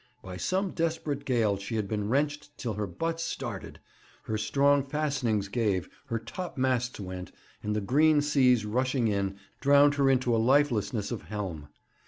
By some desperate gale she had been wrenched till her butts started, her strong fastenings gave, her topmasts went, and the green seas rushing in, drowned her into a lifelessness of helm.